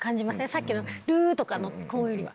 さっきの「る」とかの高音よりは。